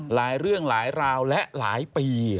หลายเรื่องหลายราวและหลายปี